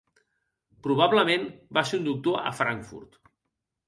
Probablement va ser un doctor a Frankfurt.